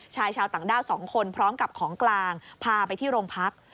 ชายชาวต่างด้าว๒คนพร้อมกับของกลางพาไปที่โรงพัก